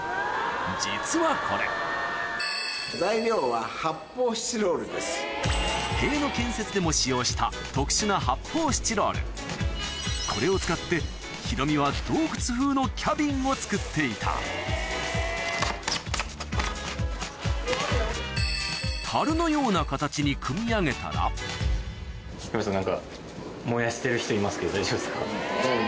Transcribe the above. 実はこれ塀の建設でも使用した特殊な発泡スチロールこれを使ってヒロミは洞窟風のキャビンを作っていたに組み上げたら大丈夫ですか？